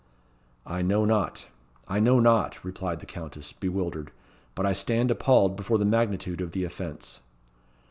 "I know not I know not," replied the Countess, bewildered; "but I stand appalled before the magnitude of the offence."